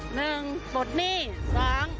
หนึ่งบทหนี้สอง